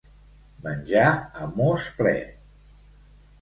Menjar a mos ple.